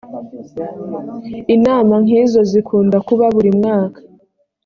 inama nkizo zikunda kuba burimwaka.